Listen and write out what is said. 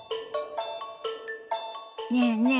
ねえねえ